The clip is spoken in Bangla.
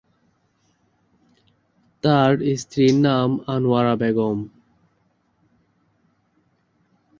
তার স্ত্রীর নাম আনোয়ারা বেগম।